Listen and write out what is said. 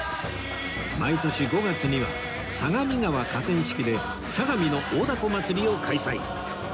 毎年５月には相模川河川敷で相模の大凧まつりを開催